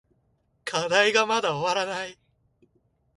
課題がまだ終わらない。